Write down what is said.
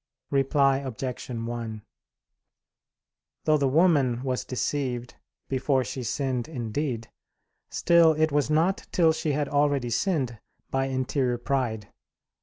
Reply Obj. 1: Though the woman was deceived before she sinned in deed, still it was not till she had already sinned by interior pride.